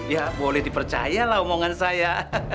ya boleh dipercayalah omongan saya